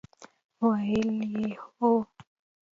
ویل: هو!